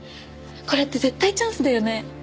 これって絶対チャンスだよね？